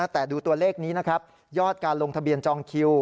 แต่ดูตัวเลขนี้นะครับยอดการลงทะเบียนจองคิว